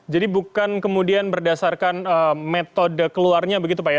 jadi bukan kemudian berdasarkan metode keluarnya begitu pak ya